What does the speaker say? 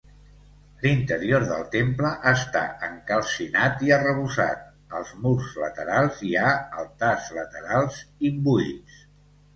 L'interior del temple està encalcinat i arrebossat, als murs laterals hi ha altars laterals, imbuïts.